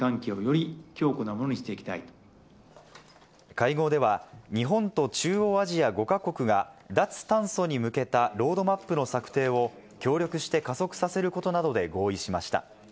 会合では日本と中央アジア５か国が脱炭素に向けたロードマップの策定を協力して加速させることなどで合意しました。